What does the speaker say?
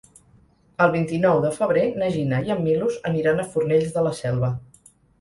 El vint-i-nou de febrer na Gina i en Milos aniran a Fornells de la Selva.